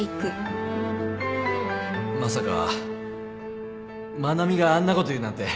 まさか愛菜美があんなこと言うなんて。